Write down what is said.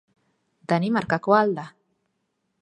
Danimarkakoa al da?